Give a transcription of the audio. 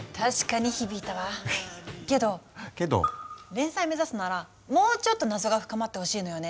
連載目指すならもうちょっと謎が深まってほしいのよね。